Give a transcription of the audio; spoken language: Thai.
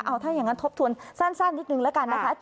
เอาถ้าอย่างนั้นทบทวนสั้นนิดนึงแล้วกันนะคะ